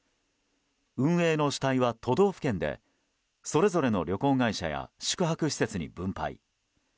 運営の主体は都道府県でそれぞれの旅行会社や宿泊施設に分配。